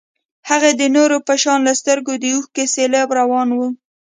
هغې د نورو په شان له سترګو د اوښکو سېلاب روان و.